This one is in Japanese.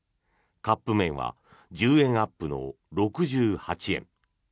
カップ麺は１０円アップの６８円。